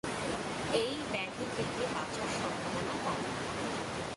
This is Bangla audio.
এই ব্যাধি থেকে বাঁচার সম্ভাবনা কম।